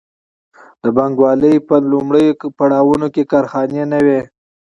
د پانګوالۍ په لومړیو پړاوونو کې کارخانې نه وې.